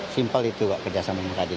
simple itu pak kerjasama dengan kadin